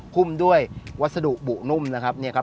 หุ้มด้วยวัสดุบุหนุ่มนะครับ